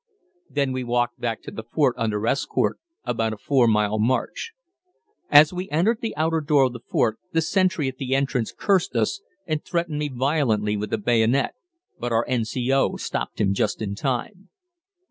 Then we walked back to the fort under escort, about a 4 mile march. As we entered the outer door of the fort the sentry at the entrance cursed us and threatened me violently with a bayonet, but our N.C.O. stopped him just in time.